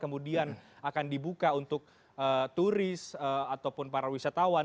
kemudian akan dibuka untuk turis ataupun para wisatawan